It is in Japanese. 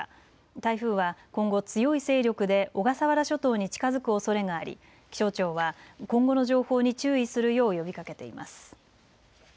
台風は今後、強い勢力で小笠原諸島に近づくおそれがあり気象庁は今後の情報に注意するよう呼びかけています。